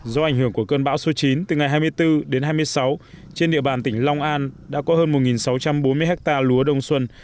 do ảnh hưởng của cơn bão số chín từ ngày hai mươi bốn đến hai mươi sáu trên địa bàn tỉnh long an đã có hơn một sáu trăm bốn mươi ha lúa đông xuân